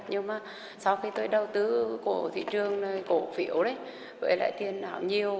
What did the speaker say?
nhưng mà sau khi tôi đầu tư của thị trường cổ phiếu với lại tiền đảo nhiều